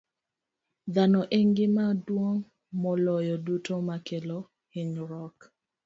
Dhano e gima duong' moloyo duto makelo hinyruok.